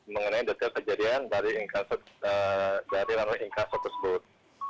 mengenai detail kejadian dari runway in carson tersebut